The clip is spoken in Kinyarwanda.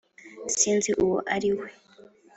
- sinzi uwo ari we.